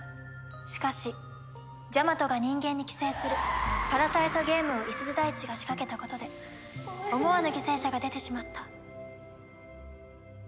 しかしジャマトが人間に寄生するパラサイトゲームを五十鈴大智が仕掛けたことで思わぬ犠牲者が出てしまった。